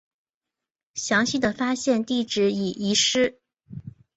详细的发现地点已遗失。